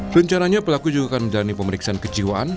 rencananya pelaku juga akan menjalani pemeriksaan kejiwaan